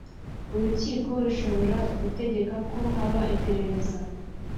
Urkiko rushobora gutegeka ko haba iperereza